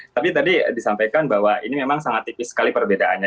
tapi tadi disampaikan bahwa ini memang sangat tipis sekali perbedaannya